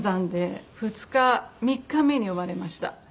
２日３日目に生まれました。